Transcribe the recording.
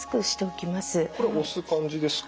これ押す感じですか？